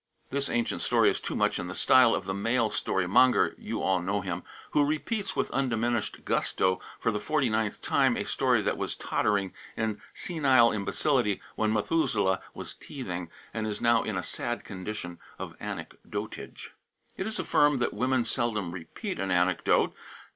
This ancient story is too much in the style of the male story monger you all know him who repeats with undiminished gusto for the forty ninth time a story that was tottering in senile imbecility when Methuselah was teething, and is now in a sad condition of anec_dotage_. It is affirmed that "women seldom repeat an anecdote."